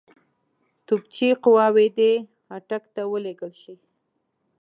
توپچي قواوې دي اټک ته ولېږل شي.